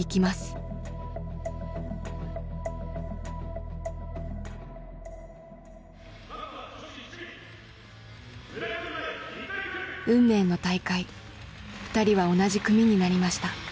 運命の大会２人は同じ組になりました。